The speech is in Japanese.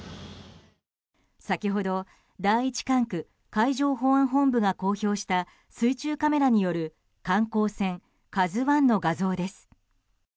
先ほど第１管区海上保安本部が公表した水中カメラによる観光船「ＫＡＺＵ１」の画像です。